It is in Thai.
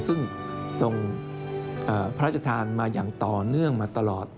ซึ่งส่งพระราชทานมาอย่างต่อเนื่องมาตลอด